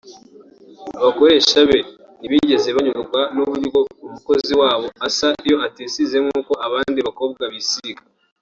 abakoresha be ntibigeze banyurwa n’uburyo umukozi wabo asa iyo atisize nk’uko abandi bakobwa bisiga